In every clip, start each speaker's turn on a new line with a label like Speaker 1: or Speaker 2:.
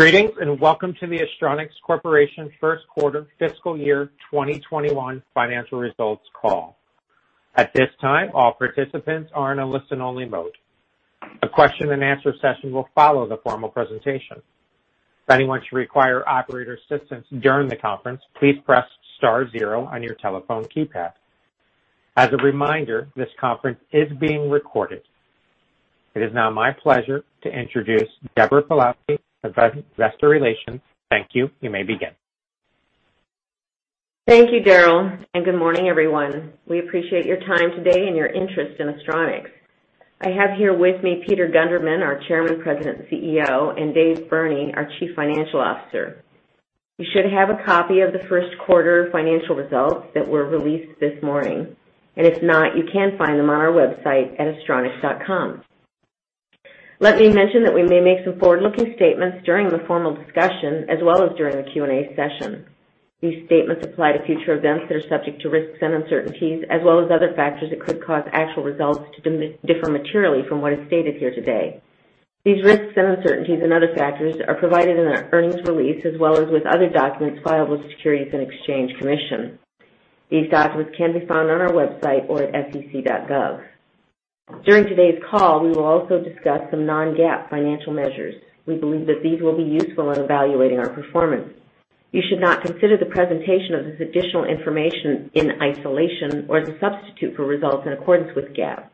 Speaker 1: Greetings, and welcome to the Astronics Corporation first quarter fiscal year 2021 financial results call. At this time, all participants are in a listen-only mode. A question and answer session will follow the formal presentation. If anyone should require operator assistance during the conference, please press star zero on your telephone keypad. As a reminder, this conference is being recorded. It is now my pleasure to introduce Deborah Pawlowski of Investor Relations. Thank you. You may begin.
Speaker 2: Thank you, Darryl, and good morning, everyone. We appreciate your time today and your interest in Astronics. I have here with me Peter Gundermann, our Chairman, President, CEO, and Dave Burney, our Chief Financial Officer. You should have a copy of the first quarter financial results that were released this morning, and if not, you can find them on our website at astronics.com. Let me mention that we may make some forward-looking statements during the formal discussion, as well as during the Q&A session. These statements apply to future events that are subject to risks and uncertainties, as well as other factors that could cause actual results to differ materially from what is stated here today. These risks, uncertainties, and other factors are provided in our earnings release, as well as with other documents filed with Securities and Exchange Commission. These documents can be found on our website or at sec.gov. During today's call, we will also discuss some non-GAAP financial measures. We believe that these will be useful in evaluating our performance. You should not consider the presentation of this additional information in isolation or as a substitute for results in accordance with GAAP.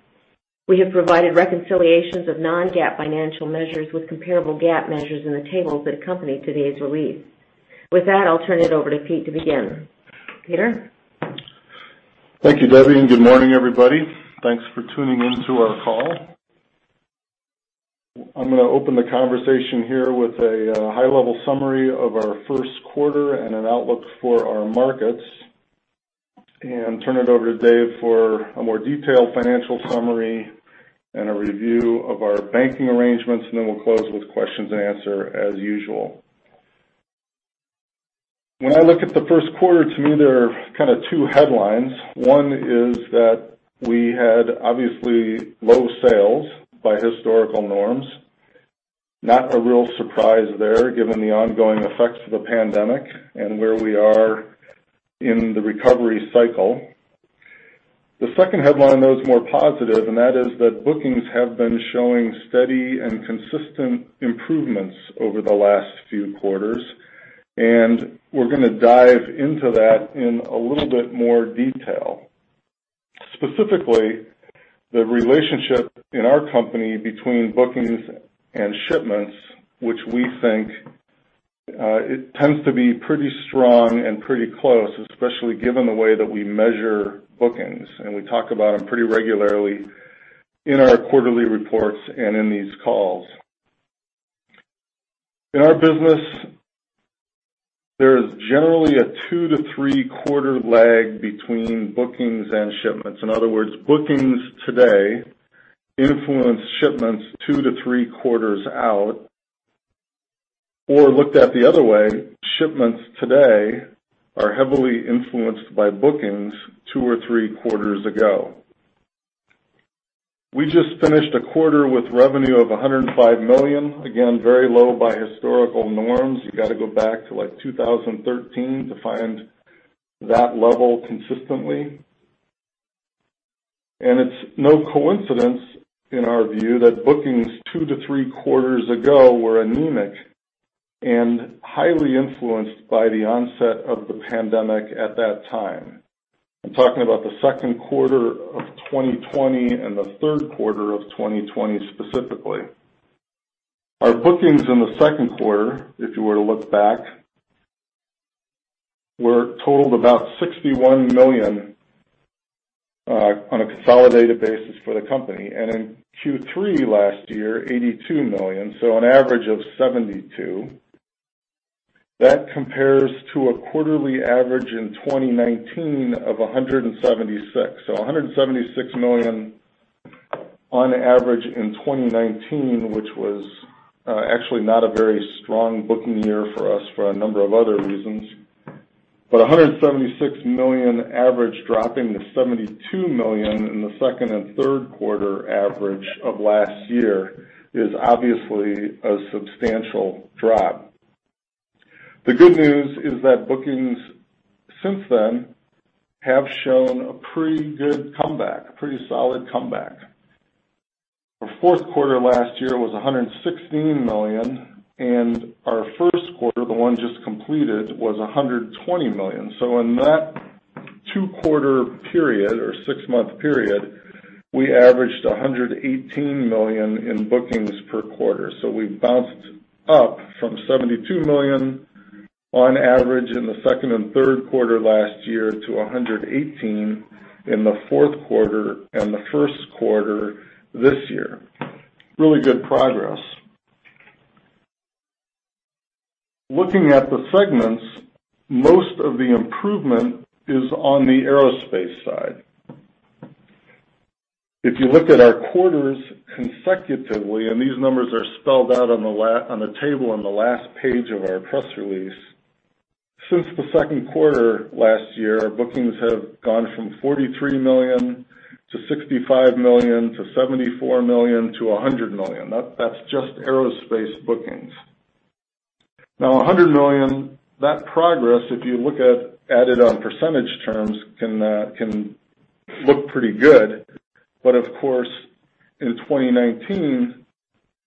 Speaker 2: We have provided reconciliations of non-GAAP financial measures with comparable GAAP measures in the tables that accompany today's release. With that, I'll turn it over to Pete to begin. Peter?
Speaker 3: Thank you, Debbie, and good morning, everybody. Thanks for tuning in to our call. I'm going to open the conversation here with a high-level summary of our first quarter and an outlook for our markets, and turn it over to Dave for a more detailed financial summary and a review of our banking arrangements. We'll close with questions and answer as usual. When I look at the first quarter, to me, there are kind of two headlines. One is that we had obviously low sales by historical norms. Not a real surprise there, given the ongoing effects of the pandemic and where we are in the recovery cycle. The second headline, though, is more positive, and that is that bookings have been showing steady and consistent improvements over the last few quarters, and we're going to dive into that in a little bit more detail. Specifically, the relationship in our company between bookings and shipments, which we think tends to be pretty strong and pretty close, especially given the way that we measure bookings, and we talk about them pretty regularly in our quarterly reports and in these calls. In our business, there is generally a two- to three-quarter lag between bookings and shipments. In other words, bookings today influence shipments two to three quarters out. Looked at the other way, shipments today are heavily influenced by bookings two or three quarters ago. We just finished a quarter with revenue of $105 million. Again, very low by historical norms. You got to go back to 2013 to find that level consistently. It's no coincidence, in our view, that bookings two to three quarters ago were anemic and highly influenced by the onset of the pandemic at that time. I'm talking about the second quarter of 2020 and the third quarter of 2020 specifically. Our bookings in the second quarter, if you were to look back, totaled about $61 million on a consolidated basis for the company. In Q3 last year, $82 million. An average of $72 million. That compares to a quarterly average in 2019 of $176 million. $176 million on average in 2019, which was actually not a very strong booking year for us for a number of other reasons. $176 million average dropping to $72 million in the second and third quarter average of last year is obviously a substantial drop. The good news is that bookings since then have shown a pretty good comeback, a pretty solid comeback. Our fourth quarter last year was $116 million, and our first quarter, the one just completed, was $120 million. In that two-quarter period or six-month period, we averaged $118 million in bookings per quarter. We bounced up from $72 million on average in the second and third quarter last year to $118 million in the fourth quarter and the first quarter this year. Really good progress. Looking at the segments, most of the improvement is on the Aerospace side. If you looked at our quarters consecutively, and these numbers are spelled out on the table on the last page of our press release. Since the second quarter last year, our bookings have gone from $43 million to $65 million to $74 million to $100 million. That's just Aerospace bookings. $100 million, that progress, if you look at it on percentage terms, can look pretty good. Of course, in 2019,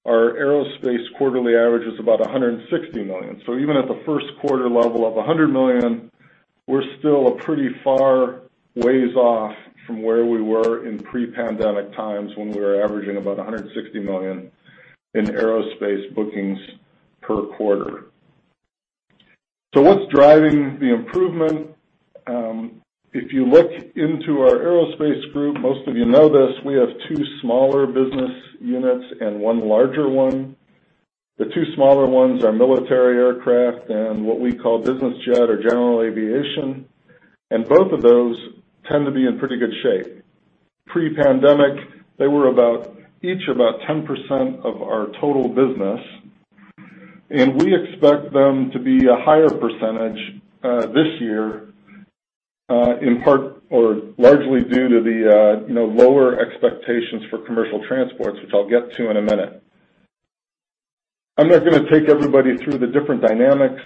Speaker 3: our Aerospace quarterly average is about $160 million. Even at the first quarter level of $100 million, we're still a pretty far ways off from where we were in pre-pandemic times when we were averaging about $160 million in Aerospace bookings per quarter. What's driving the improvement? If you look into our Aerospace group, most of you know this, we have two smaller business units and one larger one. The two smaller ones are military aircraft and what we call business jet or general aviation, and both of those tend to be in pretty good shape. Pre-pandemic, they were about each about 10% of our total business, and we expect them to be a higher percentage this year, in part or largely due to the lower expectations for commercial transports, which I'll get to in a minute. I'm not going to take everybody through the different dynamics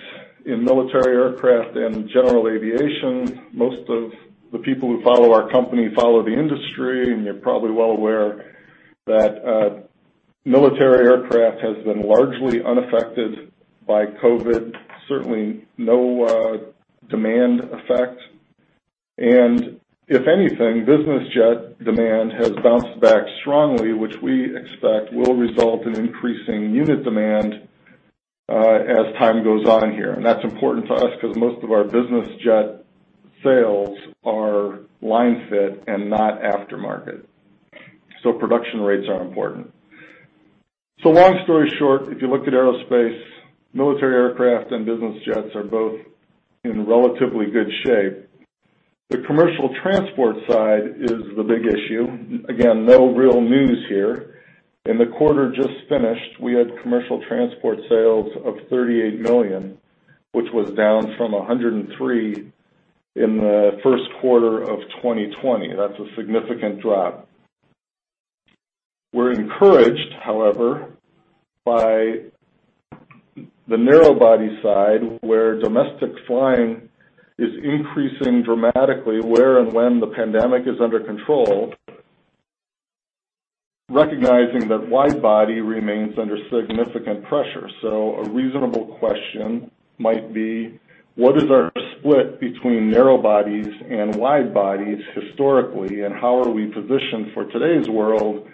Speaker 3: in military aircraft and general aviation. Most of the people who follow our company follow the industry, you're probably well aware that military aircraft has been largely unaffected by COVID. Certainly no demand effect. If anything, business jet demand has bounced back strongly, which we expect will result in increasing unit demand as time goes on here. That's important to us because most of our business jet sales are line fit and not aftermarket. Production rates are important. Long story short, if you looked at Aerospace, military aircraft and business jets are both in relatively good shape. The commercial transport side is the big issue. Again, no real news here. In the quarter just finished, we had commercial transport sales of $38 million, which was down from $103 million in the first quarter of 2020. That's a significant drop. We're encouraged, however, by the narrow-body side, where domestic flying is increasing dramatically where and when the pandemic is under control, recognizing that wide-body remains under significant pressure. A reasonable question might be, what is our split between narrow-bodies and wide-bodies historically, and how are we positioned for today's world,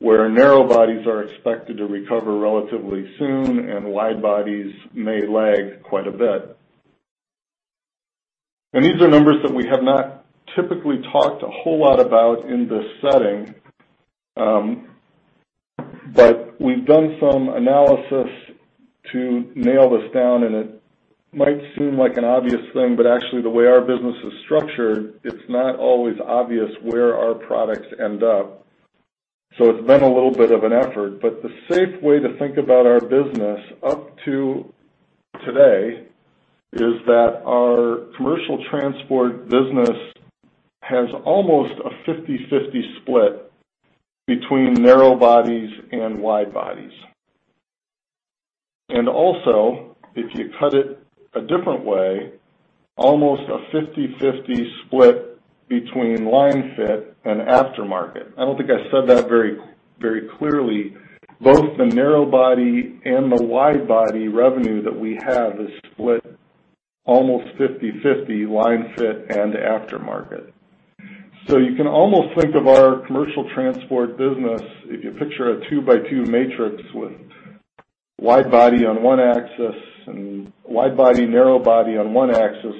Speaker 3: where narrow-bodies are expected to recover relatively soon and wide-bodies may lag quite a bit? These are numbers that we have not typically talked a whole lot about in this setting, but we've done some analysis to nail this down, and it might seem like an obvious thing, but actually, the way our business is structured, it's not always obvious where our products end up. It's been a little bit of an effort, but the safe way to think about our business up to today is that our commercial transport business has almost a 50/50 split between narrow-bodies and wide-bodies. Also, if you cut it a different way, almost a 50/50 split between line fit and aftermarket. I don't think I said that very clearly. Both the narrow-body and the wide-body revenue that we have is split almost 50/50 line fit and aftermarket. You can almost think of our commercial transport business, if you picture a 2x2 matrix with wide-body, narrow-body on one axis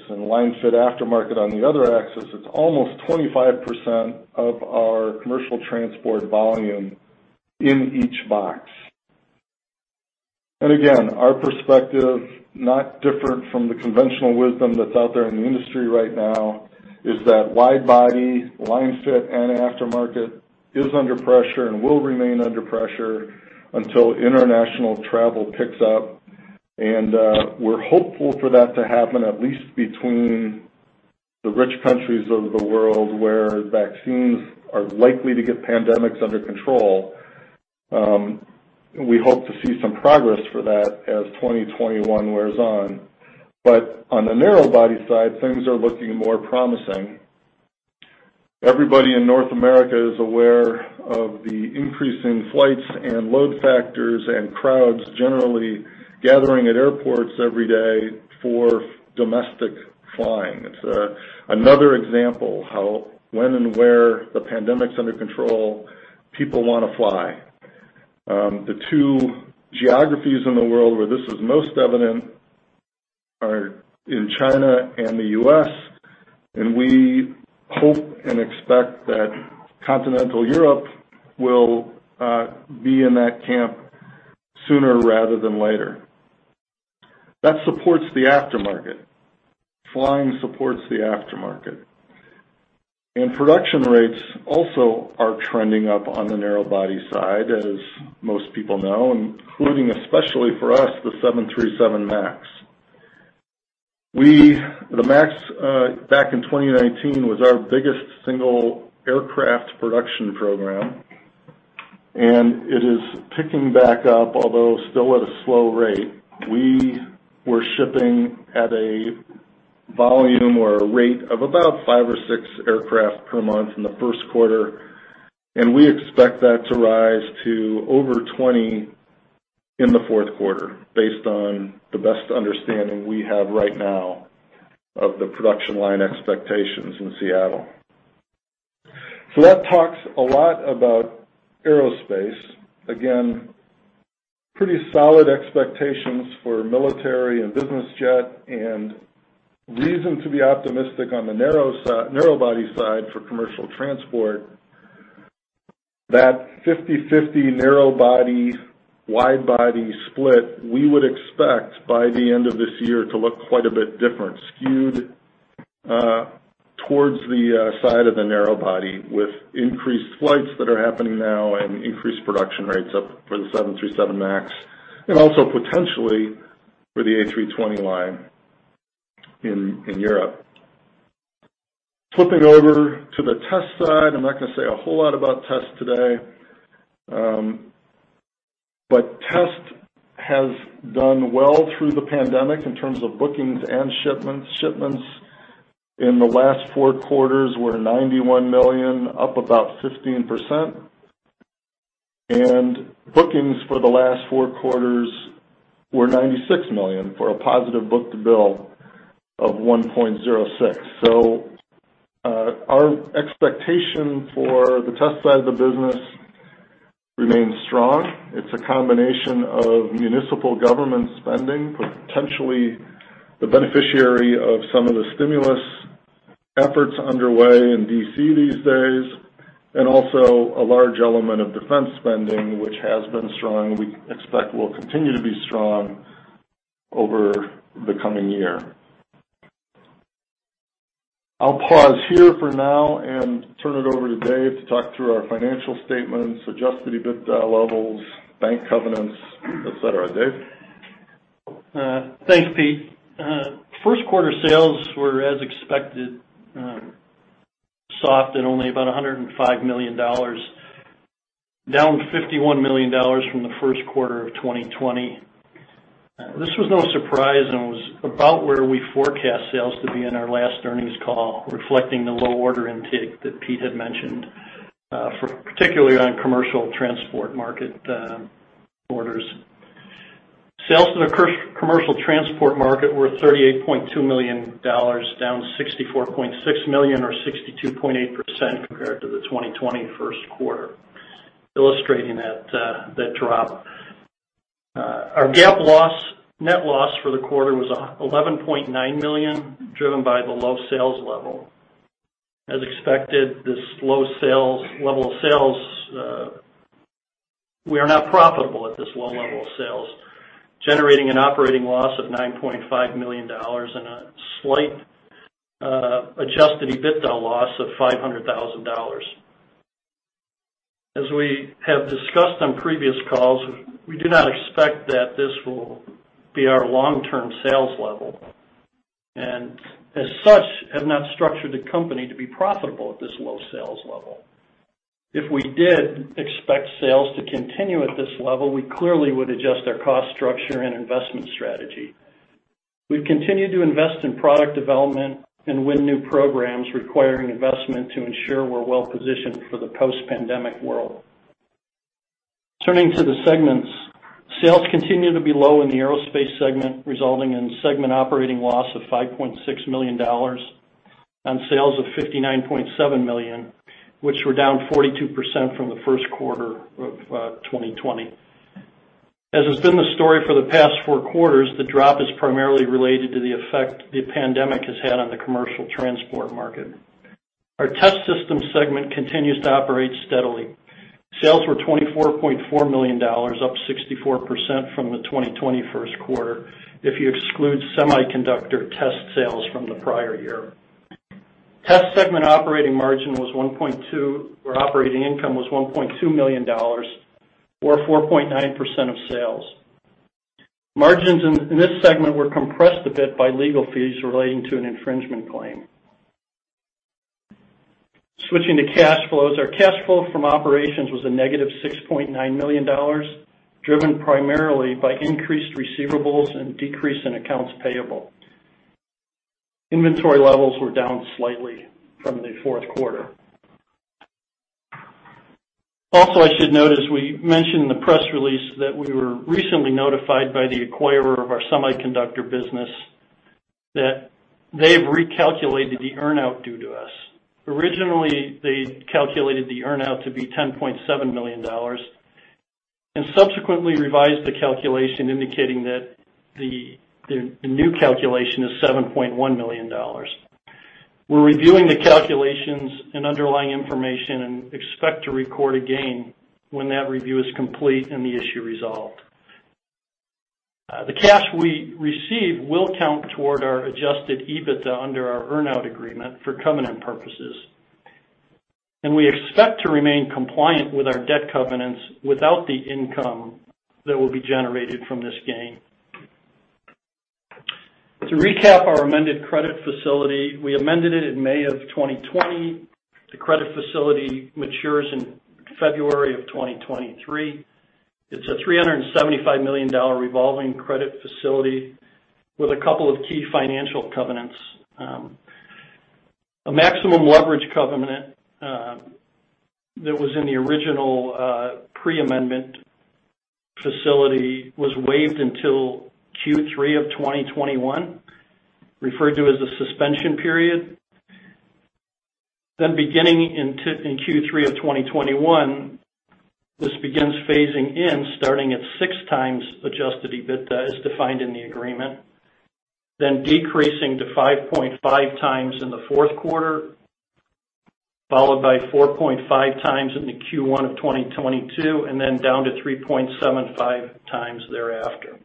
Speaker 3: and line fit, aftermarket on the other axis, it's almost 25% of our commercial transport volume in each box. Again, our perspective, not different from the conventional wisdom that's out there in the industry right now, is that wide-body, line fit, and aftermarket is under pressure and will remain under pressure until international travel picks up. We're hopeful for that to happen, at least between the rich countries of the world, where vaccines are likely to get pandemics under control. We hope to see some progress for that as 2021 wears on. On the narrow body side, things are looking more promising. Everybody in North America is aware of the increase in flights and load factors and crowds generally gathering at airports every day for domestic flying. It's another example how when and where the pandemic's under control, people want to fly. The two geographies in the world where this is most evident are in China and the U.S., we hope and expect that continental Europe will be in that camp sooner rather than later. That supports the aftermarket. Flying supports the aftermarket. Production rates also are trending up on the narrow-body side, as most people know, including especially for us, the 737 MAX. The MAX, back in 2019, was our biggest single aircraft production program, it is picking back up, although still at a slow rate. We were shipping at a volume or a rate of about five or six aircraft per month in the first quarter, we expect that to rise to over 20 in the fourth quarter, based on the best understanding we have right now of the production line expectations in Seattle. That talks a lot about Aerospace. Pretty solid expectations for military and business jet, and reason to be optimistic on the narrow-body side for commercial transport. That 50/50 narrow-body, wide-body split, we would expect by the end of this year to look quite a bit different, skewed towards the side of the narrow-body, with increased flights that are happening now and increased production rates up for the 737 MAX, and also potentially for the A320 line in Europe. Flipping over to the Test side. I'm not going to say a whole lot about Test today. Test has done well through the pandemic in terms of bookings and shipments. Shipments in the last four quarters were $91 million, up about 15%. Bookings for the last four quarters were $96 million, for a positive book-to-bill of 1.06x. Our expectation for the Test side of the business remains strong. It's a combination of municipal government spending, potentially the beneficiary of some of the stimulus efforts underway in D.C. these days, and also a large element of defense spending, which has been strong, we expect will continue to be strong over the coming year. I'll pause here for now and turn it over to Dave to talk through our financial statements, adjusted EBITDA levels, bank covenants, et cetera. Dave?
Speaker 4: Thanks, Pete. First quarter sales were as expected, soft at only about $105 million, down $51 million from the first quarter of 2020. This was no surprise, and it was about where we forecast sales to be in our last earnings call, reflecting the low order intake that Pete had mentioned, particularly on commercial transport market orders. Sales in the commercial transport market were $38.2 million, down $64.6 million or 62.8% compared to the 2020 first quarter, illustrating that drop. Our GAAP net loss for the quarter was $11.9 million, driven by the low sales level. As expected, we are not profitable at this low level of sales, generating an operating loss of $9.5 million and a slight adjusted EBITDA loss of $500,000. As we have discussed on previous calls, we do not expect that this will be our long-term sales level, and as such, have not structured the company to be profitable at this low sales level. If we did expect sales to continue at this level, we clearly would adjust our cost structure and investment strategy. We've continued to invest in product development and win new programs requiring investment to ensure we're well-positioned for the post-pandemic world. Turning to the segments. Sales continue to be low in the Aerospace segment, resulting in segment operating loss of $5.6 million on sales of $59.7 million, which were down 42% from the first quarter of 2020. As has been the story for the past four quarters, the drop is primarily related to the effect the pandemic has had on the commercial transport market. Our Test Systems segment continues to operate steadily. Sales were $24.4 million, up 64% from the 2020 first quarter, if you exclude semiconductor test sales from the prior year. Test segment operating income was $1.2 million, or 4.9% of sales. Margins in this segment were compressed a bit by legal fees relating to an infringement claim. Switching to cash flows. Our cash flow from operations was a -$6.9 million, driven primarily by increased receivables and decrease in accounts payable. Inventory levels were down slightly from the fourth quarter. Also, I should note, as we mentioned in the press release, that we were recently notified by the acquirer of our semiconductor business that they've recalculated the earn-out due to us. Originally, they calculated the earn-out to be $10.7 million, and subsequently revised the calculation, indicating that the new calculation is $7.1 million. We're reviewing the calculations and underlying information and expect to record a gain when that review is complete and the issue resolved. The cash we receive will count toward our adjusted EBITDA under our earn-out agreement for covenant purposes. We expect to remain compliant with our debt covenants without the income that will be generated from this gain. To recap our amended credit facility, we amended it in May of 2020. The credit facility matures in February of 2023. It's a $375 million revolving credit facility with a couple of key financial covenants. A maximum leverage covenant that was in the original pre-amendment facility was waived until Q3 of 2021, referred to as the suspension period. Beginning in Q3 of 2021, this begins phasing in, starting at 6x adjusted EBITDA as defined in the agreement, then decreasing to 5.5x in the fourth quarter, followed by 4.5x in the Q1 of 2022, and then down to 3.75x thereafter.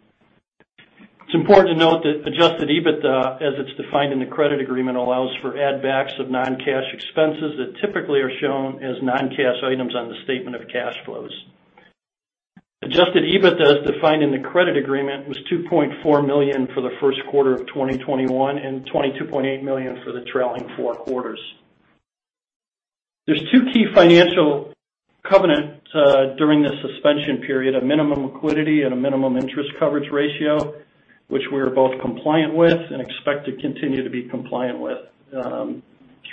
Speaker 4: It's important to note that adjusted EBITDA as it's defined in the credit agreement, allows for add backs of non-cash expenses that typically are shown as non-cash items on the statement of cash flows. Adjusted EBITDA as defined in the credit agreement was $2.4 million for the first quarter of 2021 and $22.8 million for the trailing four quarters. There's two key financial covenants during the suspension period, a minimum liquidity and a minimum interest coverage ratio, which we are both compliant with and expect to continue to be compliant with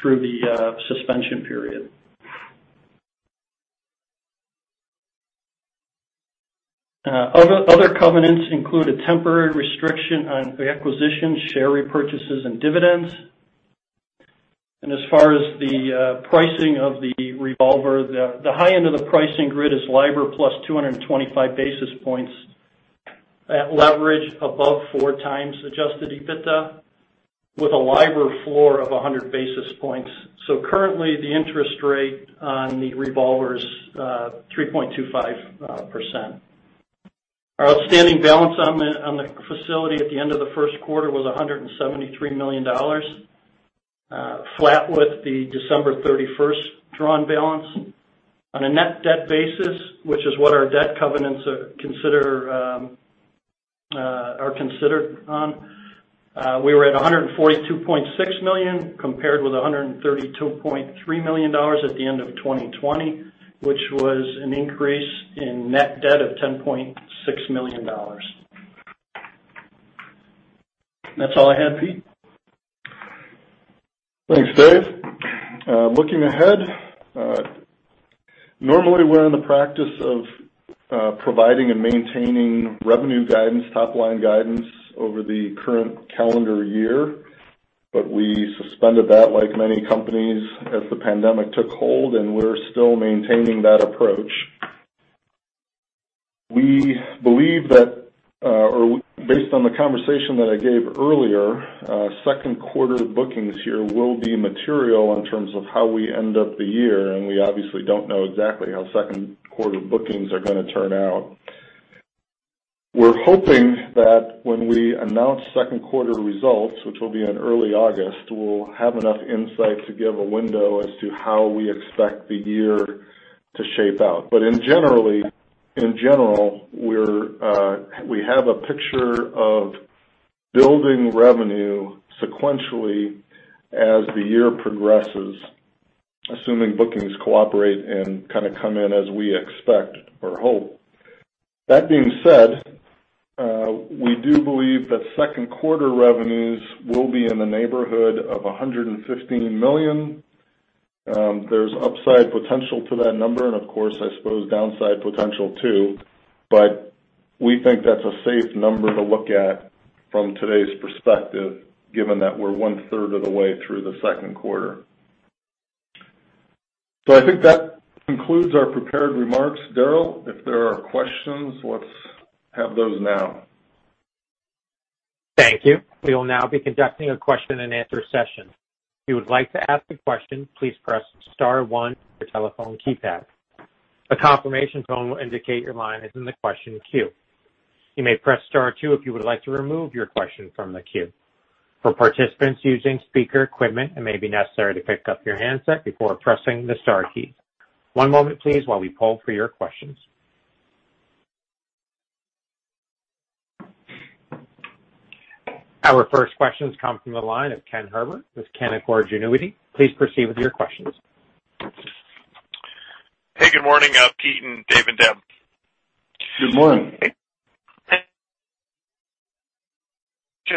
Speaker 4: through the suspension period. Other covenants include a temporary restriction on acquisitions, share repurchases, and dividends. As far as the pricing of the revolver, the high end of the pricing grid is LIBOR plus 225 basis points at leverage above 4x adjusted EBITDA with a LIBOR floor of 100 basis points. Currently, the interest rate on the revolver is 3.25%. Our outstanding balance on the facility at the end of the first quarter was $173 million, flat with the December 31st drawn balance. On a net debt basis, which is what our debt covenants are considered on, we were at $142.6 million, compared with $132.3 million at the end of 2020, which was an increase in net debt of $10.6 million. That's all I have, Pete.
Speaker 3: Thanks, Dave. Looking ahead, normally we're in the practice of providing and maintaining revenue guidance, top-line guidance over the current calendar year, we suspended that, like many companies, as the pandemic took hold, and we're still maintaining that approach. Based on the conversation that I gave earlier, second quarter bookings here will be material in terms of how we end up the year, we obviously don't know exactly how second quarter bookings are gonna turn out. We're hoping that when we announce second quarter results, which will be in early August, we'll have enough insight to give a window as to how we expect the year to shape out. In general, we have a picture of building revenue sequentially as the year progresses, assuming bookings cooperate and kind of come in as we expect or hope. That being said, we do believe that second quarter revenues will be in the neighborhood of $115 million. There's upside potential to that number and of course, I suppose downside potential, too. We think that's a safe number to look at from today's perspective, given that we're one-third of the way through the second quarter. I think that concludes our prepared remarks. Darryl, if there are questions, let's have those now.
Speaker 1: Our first question comes from the line of Ken Herbert with Canaccord Genuity. Please proceed with your questions.
Speaker 5: Hey, good morning, Pete and Dave and Deb.
Speaker 3: Good morning.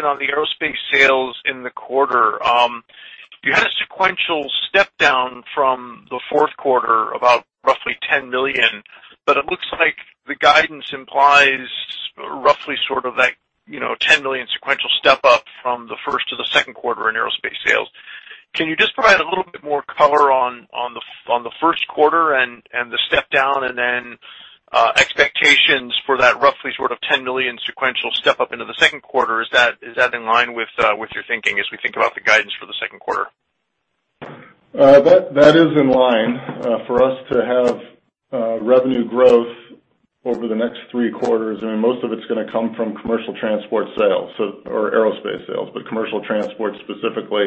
Speaker 5: On the Aerospace sales in the quarter. You had a sequential step-down from the fourth quarter, about roughly $10 million, but it looks like the guidance implies roughly sort of that $10 million sequential step-up from the first to the second quarter in Aerospace sales. Can you just provide a little bit more color on the first quarter and the step-down and then expectations for that roughly sort of $10 million sequential step-up into the second quarter? Is that in line with your thinking as we think about the guidance for the second quarter?
Speaker 3: That is in line for us to have revenue growth over the next three quarters. Most of it's going to come from commercial transport sales, or Aerospace sales, but commercial transport specifically.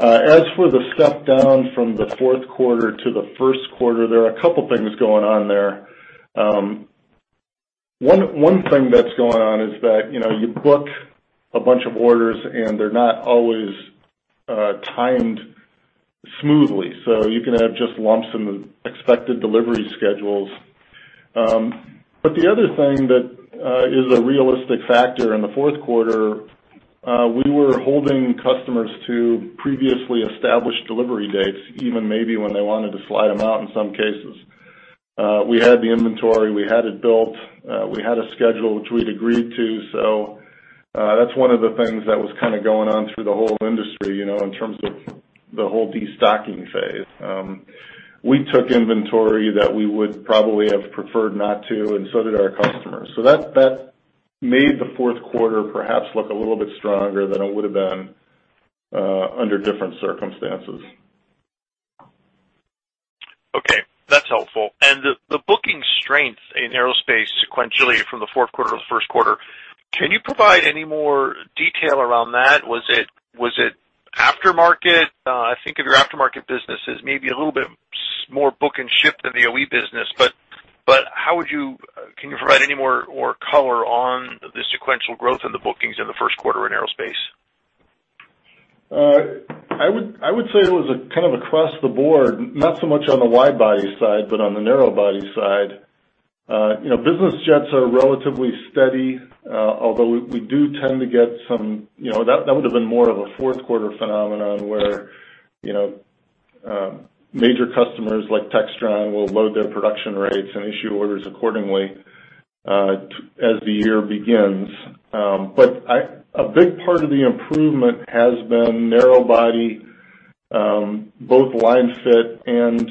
Speaker 3: As for the step-down from the fourth quarter to the first quarter, there are a couple of things going on there. One thing that's going on is that you book a bunch of orders, and they're not always timed smoothly. You can have just lumps in the expected delivery schedules. The other thing that is a realistic factor, in the fourth quarter, we were holding customers to previously established delivery dates, even maybe when they wanted to slide them out in some cases. We had the inventory, we had it built, we had a schedule which we'd agreed to. That's one of the things that was kind of going on through the whole industry, in terms of the whole de-stocking phase. We took inventory that we would probably have preferred not to, and so did our customers. That made the fourth quarter perhaps look a little bit stronger than it would have been under different circumstances.
Speaker 5: Okay. That's helpful. The booking strength in Aerospace sequentially from the fourth quarter to the first quarter, can you provide any more detail around that? Was it aftermarket? I think of your aftermarket business as maybe a little bit more book and ship than the OE business, but can you provide any more color on the sequential growth in the bookings in the first quarter in Aerospace?
Speaker 3: I would say it was kind of across the board, not so much on the wide-body side, but on the narrow-body side. Business jets are relatively steady, although that would've been more of a fourth quarter phenomenon where major customers like Textron will load their production rates and issue orders accordingly as the year begins. A big part of the improvement has been narrow-body, both line fit and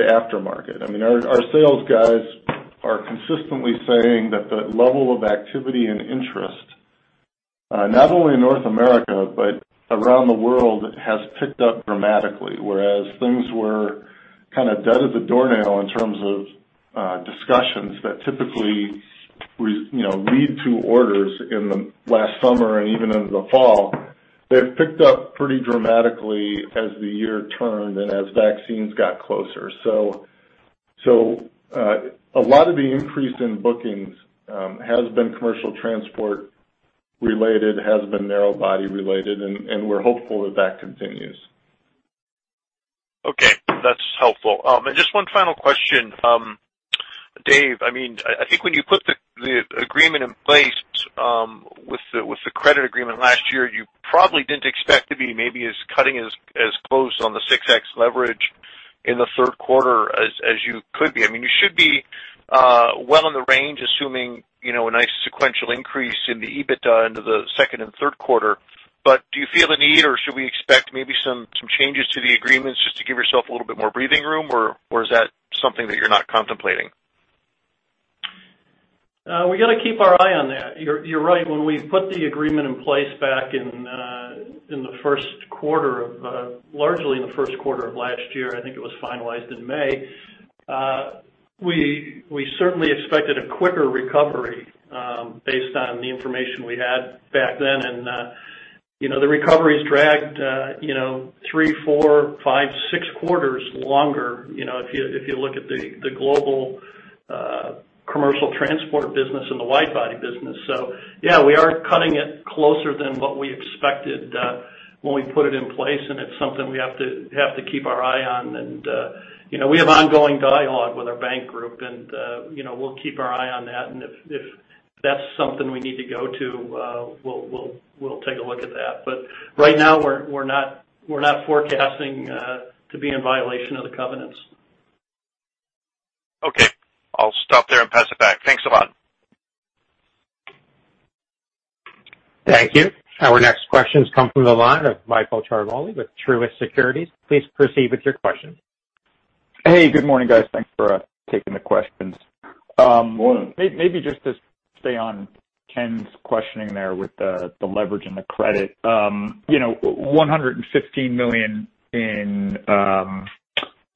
Speaker 3: aftermarket. Our sales guys are consistently saying that the level of activity and interest, not only in North America, but around the world, has picked up dramatically. Whereas things were kind of dead at the doornail in terms of discussions that typically lead to orders in the last summer and even into the fall. They've picked up pretty dramatically as the year turned and as vaccines got closer. A lot of the increase in bookings has been commercial transport related, has been narrow-body-related, and we're hopeful that continues.
Speaker 5: Okay. That's helpful. Just one final question. Dave, I think when you put the agreement in place with the credit agreement last year, you probably didn't expect to be maybe as cutting as close on the 6x leverage in the third quarter as you could be. You should be well in the range, assuming a nice sequential increase in the EBITDA into the second and third quarter. Do you feel the need, or should we expect maybe some changes to the agreements just to give yourself a little bit more breathing room, or is that something that you're not contemplating?
Speaker 4: We got to keep our eye on that. You're right. When we put the agreement in place back, largely in the first quarter of last year, I think it was finalized in May, we certainly expected a quicker recovery based on the information we had back then. The recovery's dragged three, four, five, six quarters longer, if you look at the global commercial transport business and the wide-body business. Yeah, we are cutting it closer than what we expected when we put it in place, and it's something we have to keep our eye on. We have ongoing dialogue with our bank group, and we'll keep our eye on that, and if that's something we need to go to, we'll take a look at that. Right now, we're not forecasting to be in violation of the covenants.
Speaker 5: Okay. I'll stop there and pass it back. Thanks a lot.
Speaker 1: Thank you. Our next questions come from the line of Michael Ciarmoli with Truist Securities. Please proceed with your question.
Speaker 6: Hey, good morning, guys. Thanks for taking the questions.
Speaker 3: Morning.
Speaker 6: Maybe just to stay on Ken's questioning there with the leverage and the credit. $115 million in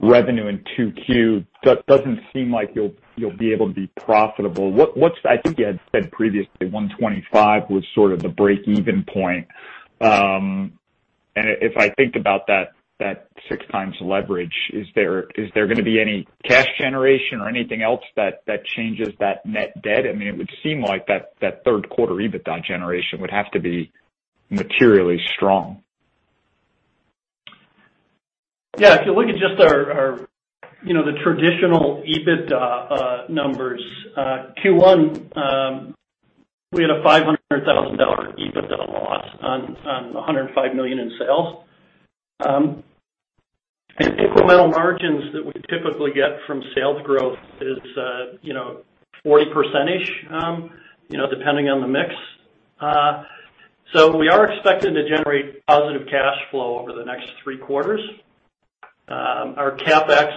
Speaker 6: revenue in 2Q, that doesn't seem like you'll be able to be profitable. I think you had said previously, $125 million was sort of the break-even point. If I think about that 6x leverage, is there going to be any cash generation or anything else that changes that net debt? It would seem like that third quarter EBITDA generation would have to be materially strong.
Speaker 4: Yeah. If you look at just the traditional EBITDA numbers, Q1, we had a $500,000 EBITDA loss on $105 million in sales. Incremental margins that we typically get from sales growth is 40%-ish, depending on the mix. We are expecting to generate positive cash flow over the next three quarters. Our CapEx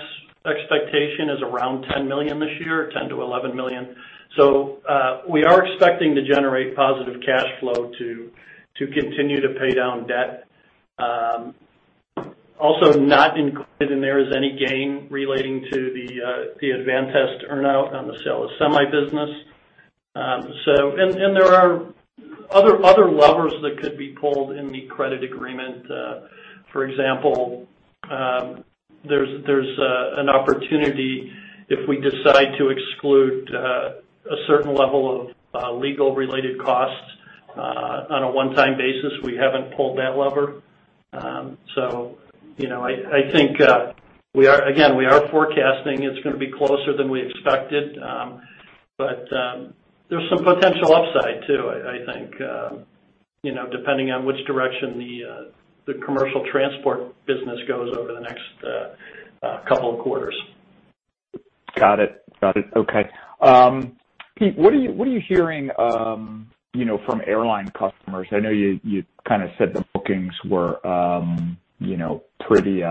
Speaker 4: expectation is around $10 million this year, $10 million-$11 million. We are expecting to generate positive cash flow to continue to pay down debt. Also not included in there is any gain relating to the Advantest earn-out on the sale of semiconductor business. There are other levers that could be pulled in the credit agreement. For example, there's an opportunity if we decide to exclude a certain level of legal related costs on a one-time basis. We haven't pulled that lever. I think, again, we are forecasting it's going to be closer than we expected. There's some potential upside too, I think, depending on which direction the commercial transport business goes over the next couple of quarters.
Speaker 6: Got it. Okay. Pete, what are you hearing from airline customers? I know you kind of said the bookings were pretty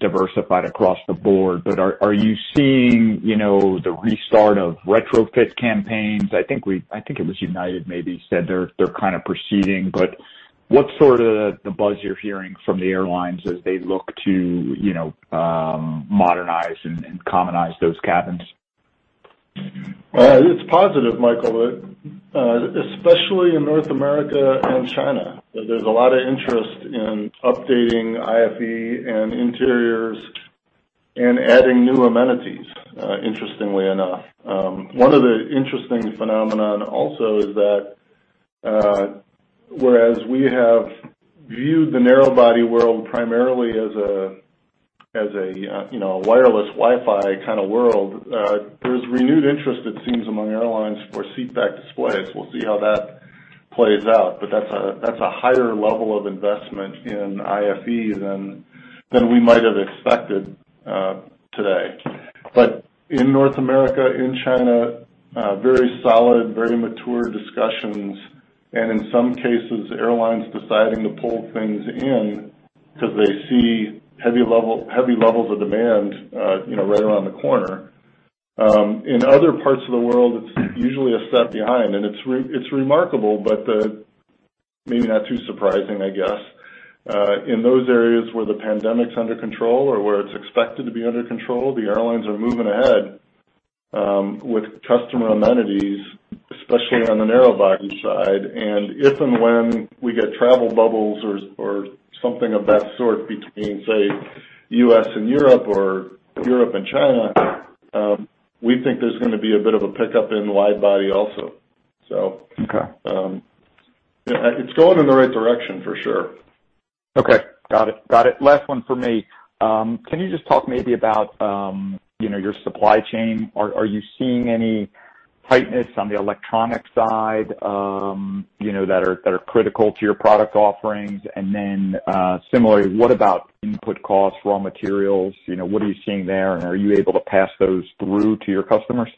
Speaker 6: diversified across the board, are you seeing the restart of retrofit campaigns? I think it was United maybe said they're kind of proceeding, what's sort of the buzz you're hearing from the airlines as they look to modernize and commonize those cabins?
Speaker 3: It's positive, Michael, especially in North America and China. There's a lot of interest in updating IFE and interiors and adding new amenities, interestingly enough. One of the interesting phenomenon also is that, whereas we have viewed the narrow-body world primarily as a wireless Wi-Fi kind of world, there's renewed interest it seems among airlines for seat back displays. We'll see how that plays out, but that's a higher level of investment in IFE than we might have expected today. In North America, in China, very solid, very mature discussions, and in some cases, airlines deciding to pull things in because they see heavy levels of demand right around the corner. In other parts of the world, it's usually a step behind, and it's remarkable, but maybe not too surprising, I guess. In those areas where the pandemic's under control or where it's expected to be under control, the airlines are moving ahead with customer amenities, especially on the narrow-body side. If and when we get travel bubbles or something of that sort between, say, U.S. and Europe or Europe and China, we think there's going to be a bit of a pickup in wide-body also.
Speaker 6: Okay.
Speaker 3: It's going in the right direction for sure.
Speaker 6: Okay. Got it. Last one from me. Can you just talk maybe about your supply chain? Are you seeing any tightness on the electronic side that are critical to your product offerings? Similarly, what about input costs, raw materials? What are you seeing there, and are you able to pass those through to your customers?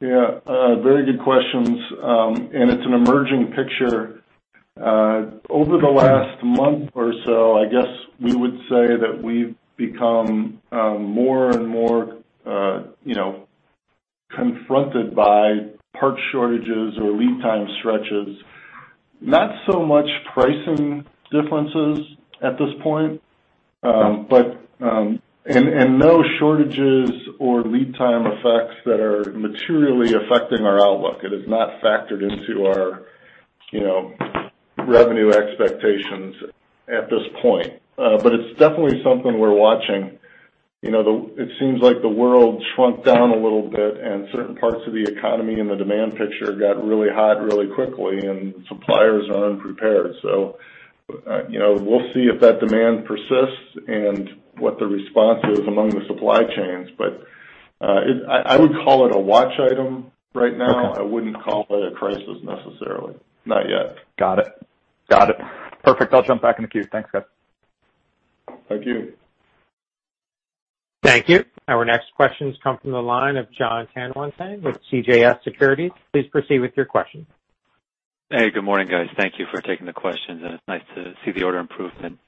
Speaker 3: Yeah. Very good questions. It's an emerging picture. Over the last month or so, I guess we would say that we've become more and more confronted by part shortages or lead time stretches. Not so much pricing differences at this point, no shortages or lead time effects that are materially affecting our outlook. It is not factored into our revenue expectations at this point. It's definitely something we're watching. It seems like the world shrunk down a little bit, and certain parts of the economy and the demand picture got really hot really quickly, and suppliers are unprepared. We'll see if that demand persists and what the response is among the supply chains. I would call it a watch item right now.
Speaker 6: Okay.
Speaker 3: I wouldn't call it a crisis necessarily. Not yet.
Speaker 6: Got it. Perfect. I'll jump back in the queue. Thanks, guys.
Speaker 3: Thank you.
Speaker 1: Thank you. Our next questions come from the line of Jon Tanwanteng with CJS Securities. Please proceed with your question.
Speaker 7: Hey, good morning, guys. Thank you for taking the questions, and it's nice to see the order improvement.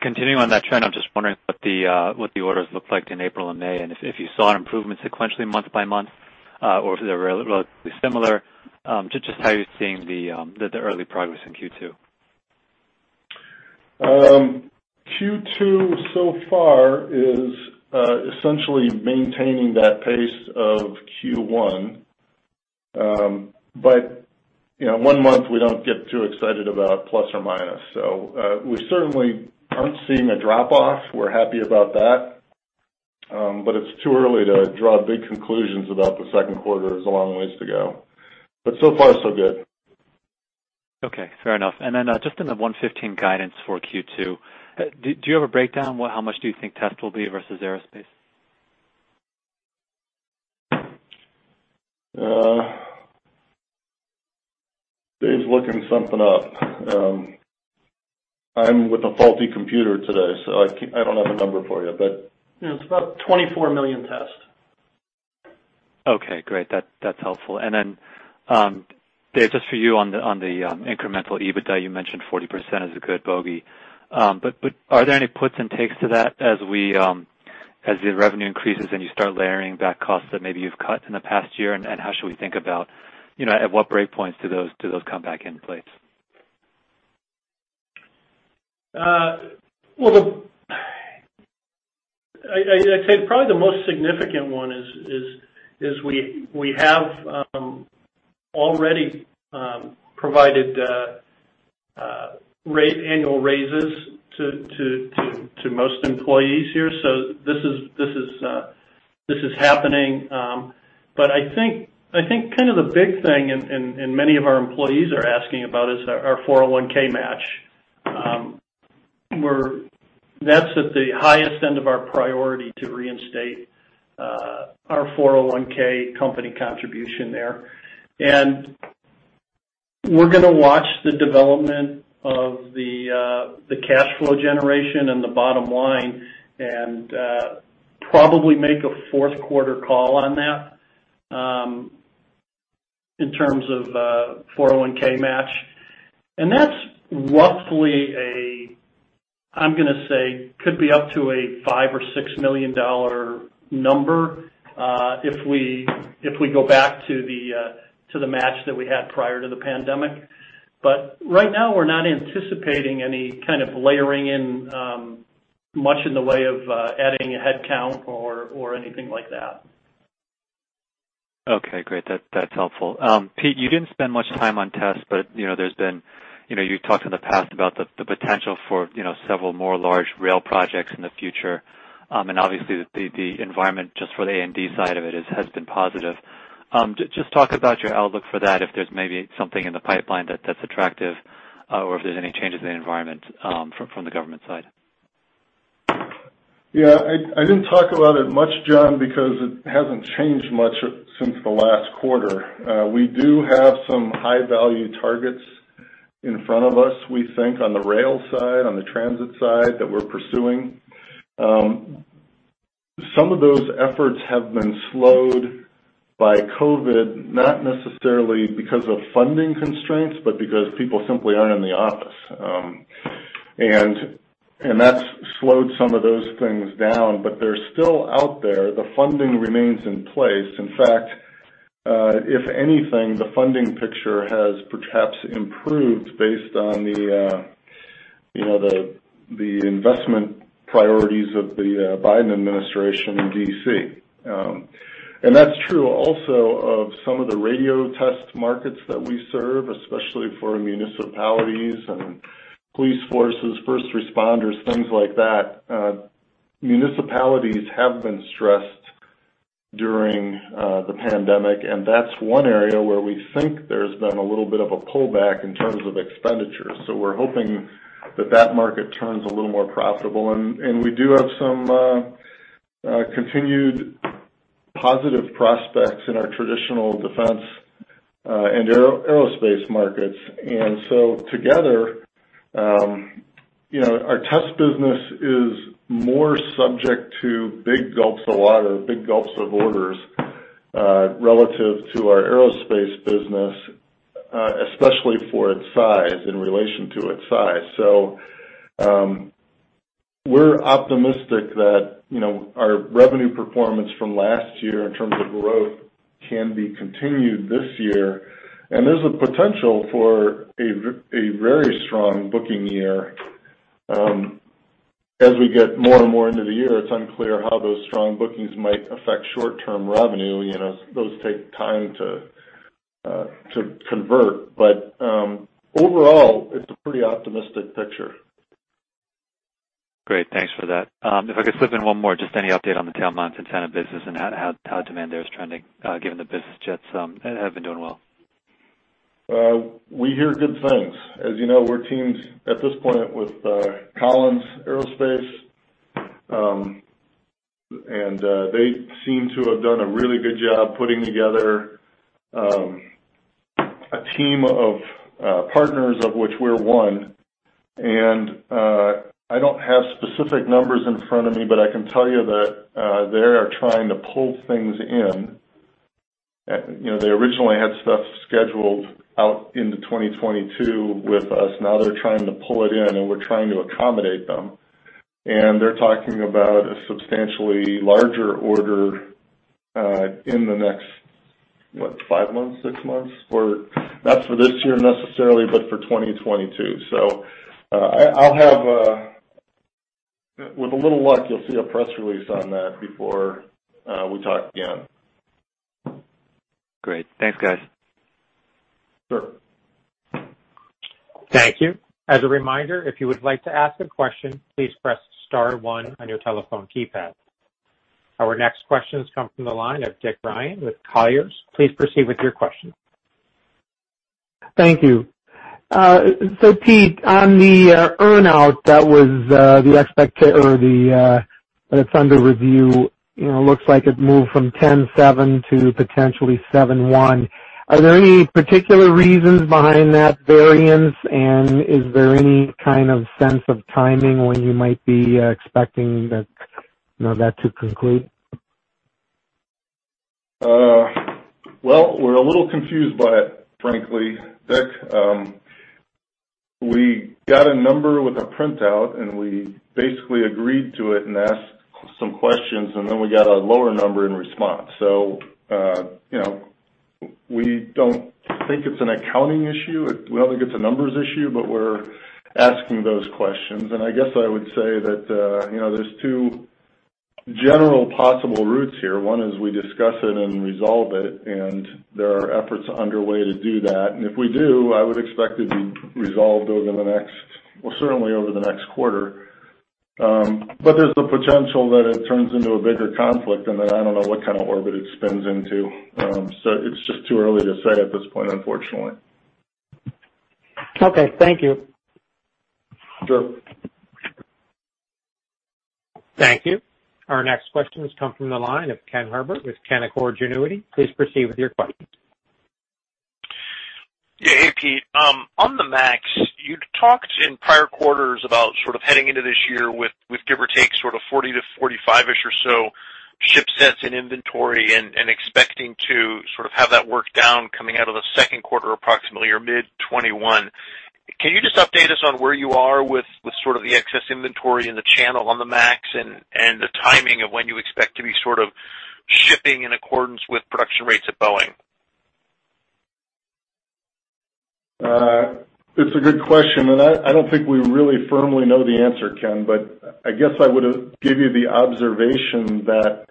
Speaker 7: Continuing on that trend, I'm just wondering what the orders looked like in April and May, and if you saw an improvement sequentially month by month, or if they're relatively similar, just how you're seeing the early progress in Q2.
Speaker 3: Q2 so far is essentially maintaining that pace of Q1. One month we don't get too excited about plus or minus. We certainly aren't seeing a drop off. We're happy about that. It's too early to draw big conclusions about the second quarter. There's a long ways to go. So far, so good.
Speaker 7: Okay. Fair enough. Then just in the $115 million guidance for Q2, do you have a breakdown? How much do you think Test will be versus Aerospace?
Speaker 3: Dave's looking something up. I'm with a faulty computer today, so I don't have a number for you.
Speaker 4: It's about $24 million Test.
Speaker 7: Okay, great. That's helpful. Dave, just for you on the incremental EBITDA, you mentioned 40% is a good bogey. Are there any puts and takes to that as the revenue increases and you start layering back costs that maybe you've cut in the past year, and how should we think about at what break points do those come back in place?
Speaker 4: Well, I'd say probably the most significant one is we have already provided annual raises to most employees here. This is happening. I think kind of the big thing, and many of our employees are asking about, is our 401(k) match. That's at the highest end of our priority to reinstate, our 401(k) company contribution there. We're going to watch the development of the cash flow generation and the bottom line and probably make a fourth quarter call on that, in terms of 401(k) match. That's roughly a, I'm going to say, could be up to a $5 million or $6 million number, if we go back to the match that we had prior to the pandemic. Right now, we're not anticipating any kind of layering in much in the way of adding a headcount or anything like that.
Speaker 7: Okay, great. That's helpful. Pete, you didn't spend much time on Tests, but you've talked in the past about the potential for several more large rail projects in the future. Obviously, the environment just for the A&D side of it has been positive. Just talk about your outlook for that, if there's maybe something in the pipeline that's attractive, or if there's any changes in the environment from the government side.
Speaker 3: Yeah. I didn't talk about it much, Jon, because it hasn't changed much since the last quarter. We do have some high-value targets in front of us, we think, on the rail side, on the transit side, that we're pursuing. Some of those efforts have been slowed by COVID, not necessarily because of funding constraints, but because people simply aren't in the office. That's slowed some of those things down, but they're still out there. The funding remains in place. In fact, if anything, the funding picture has perhaps improved based on the investment priorities of the Biden administration in D.C. That's true also of some of the radio test markets that we serve, especially for municipalities and police forces, first responders, things like that. Municipalities have been stressed during the pandemic, that's one area where we think there's been a little bit of a pullback in terms of expenditures. We're hoping that that market turns a little more profitable. We do have some continued positive prospects in our traditional defense and aerospace markets. Together, our Test business is more subject to big gulps of water, big gulps of orders, relative to our Aerospace business, especially in relation to its size. We're optimistic that our revenue performance from last year in terms of growth can be continued this year, and there's a potential for a very strong booking year. As we get more and more into the year, it's unclear how those strong bookings might affect short-term revenue. Those take time to convert. Overall, it's a pretty optimistic picture.
Speaker 7: Great. Thanks for that. If I could slip in one more, just any update on the tail-mounted antenna business and how demand there is trending, given that business jets have been doing well.
Speaker 3: We hear good things. As you know, we're teamed at this point with Collins Aerospace. They seem to have done a really good job putting together a team of partners, of which we're one. I don't have specific numbers in front of me, but I can tell you that they are trying to pull things in. They originally had stuff scheduled out into 2022 with us. Now they're trying to pull it in, and we're trying to accommodate them. They're talking about a substantially larger order in the next, what, five months, six months? Not for this year necessarily, but for 2022. With a little luck, you'll see a press release on that before we talk again.
Speaker 7: Great. Thanks, guys.
Speaker 3: Sure.
Speaker 1: Thank you. As a reminder, if you would like to ask a question, please press star one on your telephone keypad. Our next question comes from the line of Dick Ryan with Colliers. Please proceed with your question.
Speaker 8: Thank you. Pete, on the earn-out that's under review, looks like it moved from $10.7 million to potentially $7.1 million. Are there any particular reasons behind that variance? Is there any kind of sense of timing when you might be expecting that to conclude?
Speaker 3: Well, we're a little confused by it, frankly, Dick. We got a number with a printout, and we basically agreed to it and asked some questions, and then we got a lower number in response. We don't think it's an accounting issue. We don't think it's a numbers issue, but we're asking those questions. I guess I would say that there's two general possible routes here. One is we discuss it and resolve it, and there are efforts underway to do that. If we do, I would expect it to be resolved, well, certainly over the next quarter. There's the potential that it turns into a bigger conflict, and then I don't know what kind of orbit it spins into. It's just too early to say at this point, unfortunately.
Speaker 8: Okay. Thank you.
Speaker 3: Sure.
Speaker 1: Thank you. Our next question has come from the line of Ken Herbert with Canaccord Genuity. Please proceed with your questions.
Speaker 5: Hey, Pete. On the MAX, you'd talked in prior quarters about sort of heading into this year with give or take sort of 40-45-ish or so ship set in inventory and expecting to sort of have that work down coming out of the second quarter approximately or mid 2021. Can you just update us on where you are with sort of the excess inventory in the channel on the MAX and the timing of when you expect to be sort of shipping in accordance with production rates at Boeing?
Speaker 3: It's a good question. I don't think we really firmly know the answer, Ken, but I guess I would give you the observation that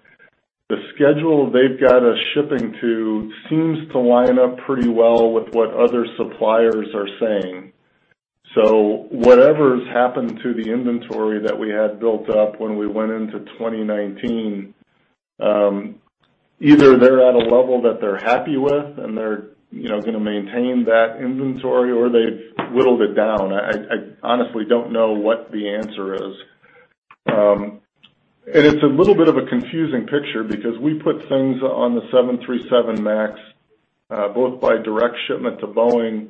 Speaker 3: the schedule they've got us shipping to seems to line up pretty well with what other suppliers are saying. Whatever's happened to the inventory that we had built up when we went into 2019, either they're at a level that they're happy with, and they're going to maintain that inventory, or they've whittled it down. I honestly don't know what the answer is. It's a little bit of a confusing picture because we put things on the 737 MAX, both by direct shipment to Boeing,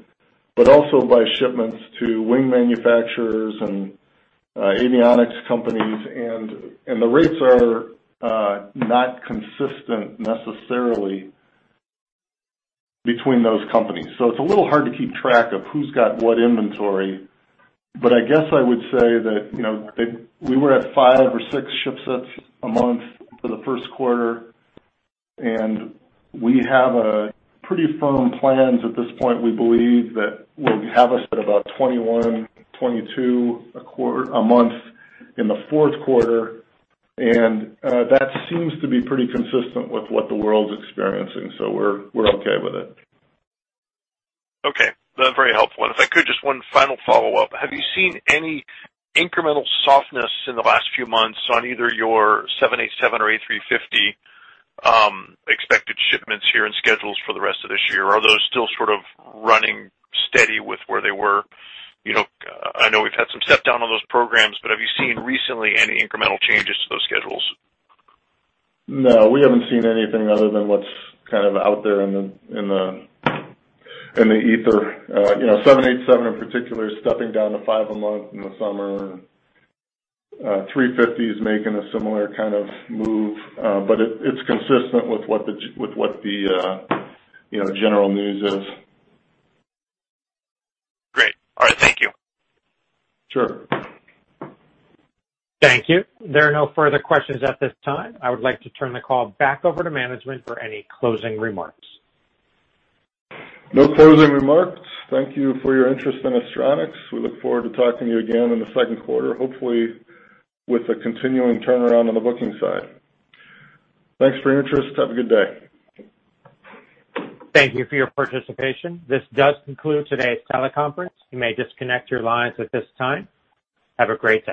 Speaker 3: but also by shipments to wing manufacturers and avionics companies, and the rates are not consistent necessarily between those companies. It's a little hard to keep track of who's got what inventory. I guess I would say that we were at five or six ship sets a month for the first quarter. We have pretty firm plans at this point, we believe, that will have us at about 21, 22 a month in the fourth quarter. That seems to be pretty consistent with what the world's experiencing. We're okay with it.
Speaker 5: Okay. That's very helpful. If I could, just one final follow-up. Have you seen any incremental softness in the last few months on either your 787 or A350 expected shipments here and schedules for the rest of this year? Are those still sort of running steady with where they were? I know we've had some step down on those programs, have you seen recently any incremental changes to those schedules?
Speaker 3: No, we haven't seen anything other than what's kind of out there in the ether. 787, in particular, is stepping down to five a month in the summer. 350 is making a similar kind of move. It's consistent with what the general news is.
Speaker 5: Great. All right. Thank you.
Speaker 3: Sure.
Speaker 1: Thank you. There are no further questions at this time. I would like to turn the call back over to management for any closing remarks.
Speaker 3: No closing remarks. Thank you for your interest in Astronics. We look forward to talking to you again in the second quarter, hopefully with a continuing turnaround on the booking side. Thanks for your interest. Have a good day.
Speaker 1: Thank you for your participation. This does conclude today's teleconference. You may disconnect your lines at this time. Have a great day.